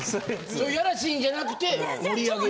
そういうやらしいんじゃなくて盛り上げる。